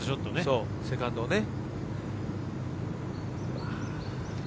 セカンドをね。